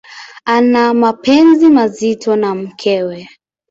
Ana mapenzi mazito na mkewe.